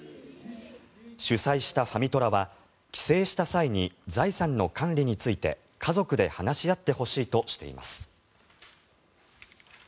主催したファミトラは帰省した際に財産の管理について家族で話し合ってほしいとしています。